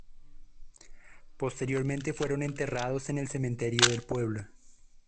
Posteriormente fueron enterrados en el cementerio del pueblo.